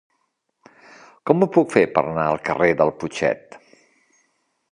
Com ho puc fer per anar al carrer del Putxet?